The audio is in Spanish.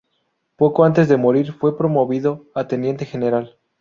Poco antes de morir fue promovido a teniente general.